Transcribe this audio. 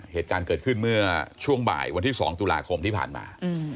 เหตุการณ์เกิดขึ้นเมื่อช่วงบ่ายวันที่๒ตุลาคมที่ผ่านมา